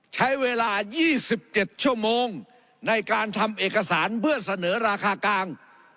ใช้เวลา๒๗ชั่วโมงในการทำเอกสารเพื่อเสนอราคากลาง